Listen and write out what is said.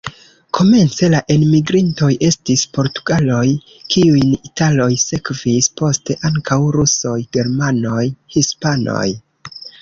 Komence la enmigrintoj estis portugaloj, kiujn italoj sekvis, poste ankaŭ rusoj, germanoj, hispanoj.